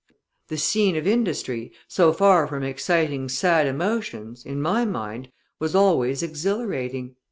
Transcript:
The scene of industry, so far from exciting sad emotions, in my mind, was always exhilerating.